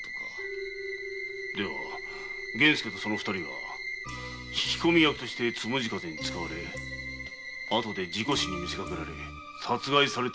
では源助とその二人は引き込み役として「つむじ風」に使われ後で事故死に見せかけられて殺害されたのかもしれぬな。